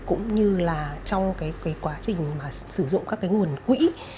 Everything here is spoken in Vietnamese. cũng như là trong quá trình sử dụng các nguồn quỹ